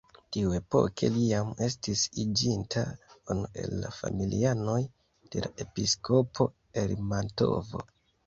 Tiuepoke li jam estis iĝinta unu el la familianoj de la episkopo el Mantovo.